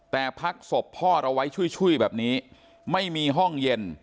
แต่พักศพพ่อเราไว้ช่วยแบบนี้ไม่มีห้องเย็น